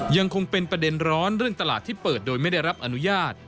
ยังคงเป็นประเด็นร้อนเรื่องตลาดที่เปิดโดยไม่ได้รับอนุญาต